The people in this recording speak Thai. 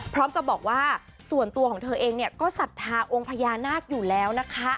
พร้อมกับบอกว่าส่วนตัวของเธอเองเนี่ยก็ศรัทธาองค์พญานาคอยู่แล้วนะคะ